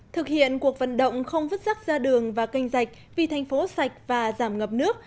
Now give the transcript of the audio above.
thực hiện cuộc vận động không vứt rắc ra đường và canh rạch vì thành phố sạch và giảm ngập nước